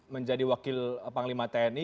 menjadi wakil panglima tni